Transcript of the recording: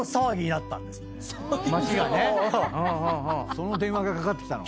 その電話がかかってきたの？